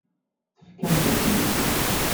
Tefkamt-asen-t-id.